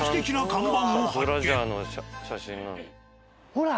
ほら。